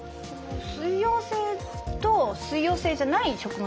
水溶性と水溶性じゃない食物